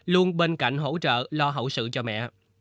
luôn bên cạnh hỗ trợ lo hậu sự cho mẹ